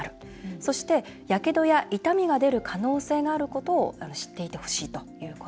そして、やけどや痛みが出る可能性があることを知っていてほしいということ。